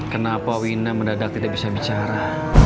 kenapa wina mendadak tidak bisa bicara